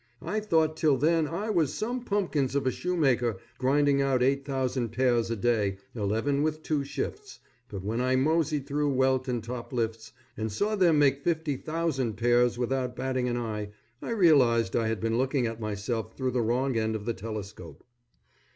I'd thought till then I was some pumpkins of a shoemaker grinding out eight thousand pairs a day, eleven with two shifts, but when I moseyed through Welt & Toplift's and saw them make fifty thousand pairs without batting an eye, I realized I had been looking at myself through the wrong end of the telescope.